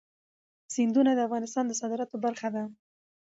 سیندونه د افغانستان د صادراتو برخه ده.